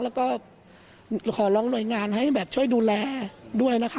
แล้วก็ขอร้องหน่วยงานให้แบบช่วยดูแลด้วยนะคะ